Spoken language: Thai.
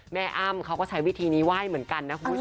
แม่อำเค้าก็ใช้วิธีนี้ว่ายเหมือนกันนะคุณผู้ชม